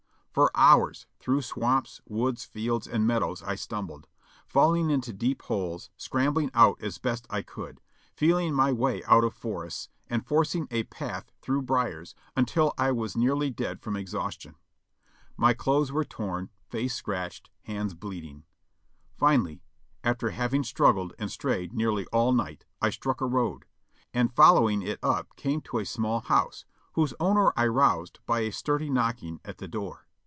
For hours, through swamps, woods, fields, and meadows I stumbled; falling into deep holes, scrambling out as best I could ; feeling my way out of forests, and forcing a path through briers, until I was nearly dead from ex haustion. My clothes were torn, face scratched, hands bleeding. Finally, after having struggled and strayed nearly all night I struck a road, and following it up came to a small house, whose owner I roused by a sturdy knocking at the door.